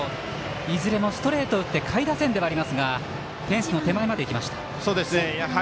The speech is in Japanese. いずれもストレートを打って下位打線ではありますがフェンスの手前までいきました。